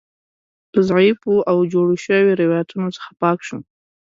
له ضعیفو او جوړو شویو روایتونو څخه پاک شو.